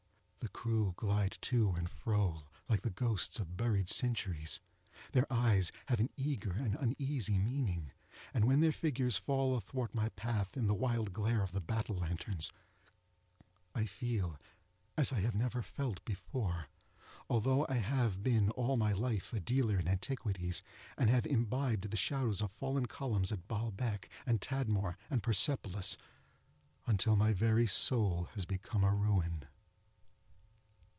The crew glide to and fro like the ghosts of buried centuries; their eyes have an eager and uneasy meaning; and when their fingers fall athwart my path in the wild glare of the battle lanterns, I feel as I have never felt before, although I have been all my life a dealer in antiquities, and have imbibed the shadows of fallen columns at Balbec, and Tadmor, and Persepolis, until my very soul has become a ruin.